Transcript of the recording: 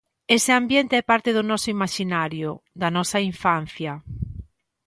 "Ese ambiente é parte do noso imaxinario", da nosa infancia.